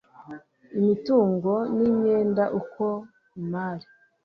imitungo n imyenda uko imari